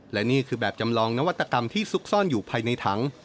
และนี่คือแบบจำลองนวัตกรรมที่ซุกซ่อนอยู่ภายในถัง